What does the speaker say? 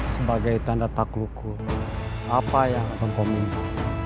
sebagai tanda taklukku apa yang akan kau minta